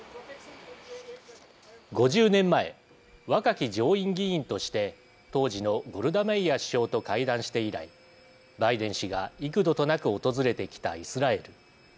５０年前、若き上院議員として当時のゴルダメイア首相と会談して以来バイデン氏が幾度となく訪れてきたイスラエル。